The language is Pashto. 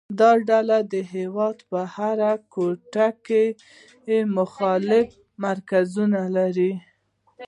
دا ډلې د هېواد په هر ګوټ کې مختلف مرکزونه لري